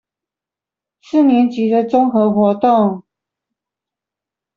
四年級的綜合活動